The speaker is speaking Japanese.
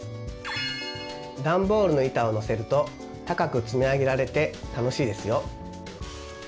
ダンボールの板をのせると高く積み上げられて楽しいですよ。